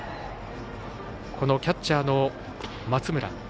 キャッチャーの松村。